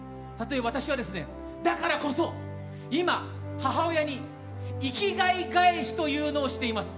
私はだからこそ今、母親に生きがい返しというのをしています。